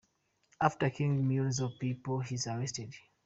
After killing millions of people, he is arrested.